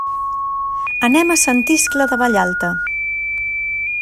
Anem a Sant Iscle de Vallalta.